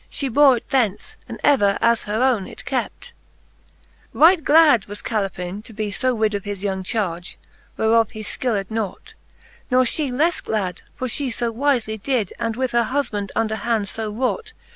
She bore it thence, and ever as her owne It kept, XXXVIII. Right glad was Calepine to be fb rid Of his young charge, whereof he /killed nought ; Ne fhe leffe glad ; for flie fo wifely did, And with her hufband under hand fo wrought.